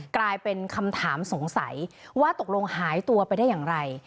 กลายเป็นคำถามสงสัยว่าตกลงหายตัวไปได้อย่างไร